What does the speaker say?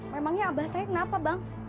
memangnya abah saya kenapa bang